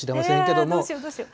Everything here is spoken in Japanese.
どうしよう、どうしよう。